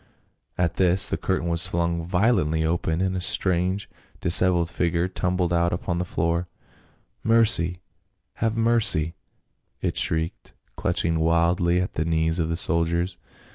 At this the curtain w^as flung violently aside and a strange disheveled figure tumbled out upon the floor. " Mercy ! have mercy !" it shrieked, clutching wildly at the knees of the soldiers.